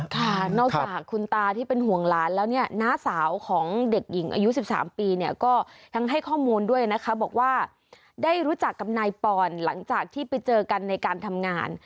ค่ะนอกจากคุณตาที่เป็นห่วงหลานแล้วเนี่ยน้าสาวของเด็กหญิงอายุ๑๓ปีเนี่ยก็ทั้งให้ข้อมูลด้วยนะคะบอกว่าได้รู้จักกับนายปอนหลังจากที่ไปเจอกันในการทำงาน